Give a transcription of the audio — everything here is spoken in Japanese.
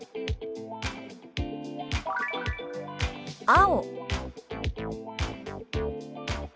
「青」。